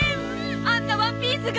あんなワンピースが！？